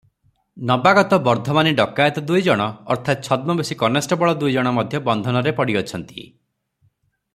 ନବାଗତ ବର୍ଦ୍ଧମାନୀ ଡକାଏତ ଦୁଇଜଣ ଅର୍ଥାତ୍ ଛଦ୍ମବେଶୀ କନେଷ୍ଟବଳ ଦୁଇଜଣ ମଧ୍ୟ ବନ୍ଧନରେ ପଡ଼ିଅଛନ୍ତି ।